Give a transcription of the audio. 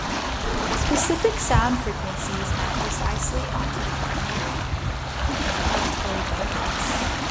Specific sound frequencies map precisely onto the primary auditory cortex.